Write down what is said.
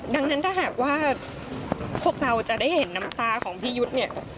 ดังนั้นถ้าหากว่าพวกเราจะได้เห็นน้ำตาของพี่ยุทธ์เนี่ย